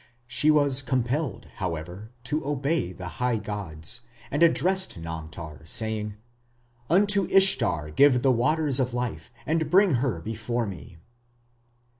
She was compelled, however, to obey the high gods, and addressed Namtar, saying: Unto Ishtar give the waters of life and bring her before me.